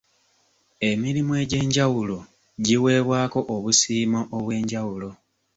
Emirimu egy'enjawulo giweebwako obusiimo obw'enjawulo.